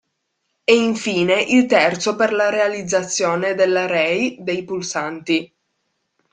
E infine il terzo per la realizzazione dell'array dei pulsanti.